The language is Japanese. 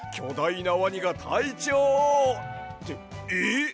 いなワニがたいちょうをってえっ！？